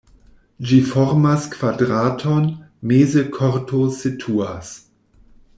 Ĝi formas kvadraton, meze korto situas.